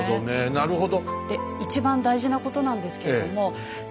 なるほど。